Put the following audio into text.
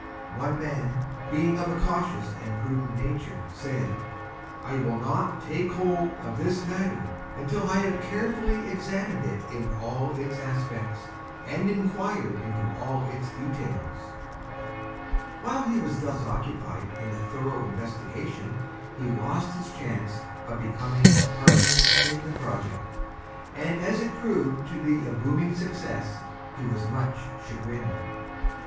One Man, being of a Cautious and Prudent Nature, said: "I will not Take Hold of this Matter until I have Carefully Examined it in All its Aspects and Inquired into All its Details." While he was thus Occupied in a thorough Investigation he Lost his Chance of becoming a Partner in the Project, and as It proved to be a Booming Success, he was Much Chagrined.